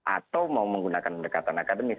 atau mau menggunakan pendekatan akademik